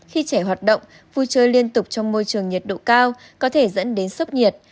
khi trẻ hoạt động vui chơi liên tục trong môi trường nhiệt độ cao có thể dẫn đến sốc nhiệt